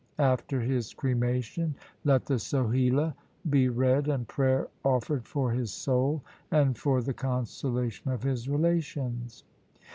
After his cremation let the Sohila be read and prayer offered for his soul and for the consolation of his relations.